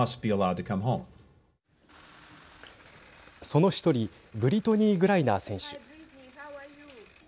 その１人ブリトニー・グライナー選手。